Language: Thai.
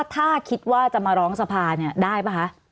ถ้าคิดว่าจะมาร้องสภาเนี่ยได้ป่ะคะ